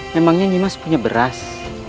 memangnya imas punya beras